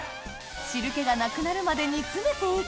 汁気がなくなるまで煮詰めて行く